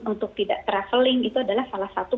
untuk tidak traveling itu adalah salah satu